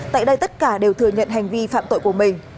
tại đây tất cả đều thừa nhận hành vi phạm tội của mình